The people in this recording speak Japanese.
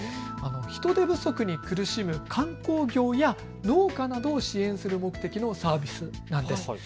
人手不足に苦しむ観光業や農家などを支援する目的のサービスなんです。